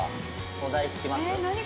お題引きます？